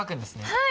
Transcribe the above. はい！